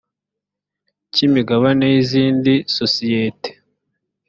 cy imigabane y izindi sosiyete